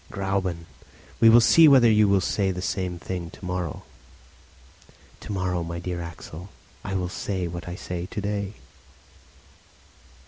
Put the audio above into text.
"Gräuben, we will see whether you will say the same thing to morrow." "To morrow, dear Axel, I will say what I say to day."